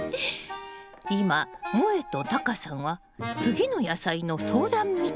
今もえとタカさんは次の野菜の相談みたいよ。